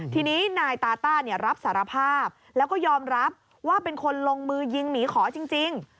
ทีนี้นายตาต้ารับสารภาพแล้วก็ยอมรับว่าเป็นคนลงมือยิงหมีขอจริง